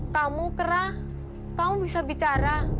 kamu kera kamu bisa bicara